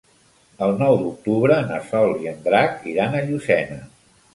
El nou d'octubre na Sol i en Drac iran a Llucena.